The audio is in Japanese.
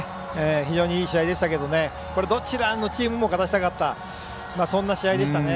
非常にいい試合でしたがどちらのチームも勝たせたかったそんな試合でしたね。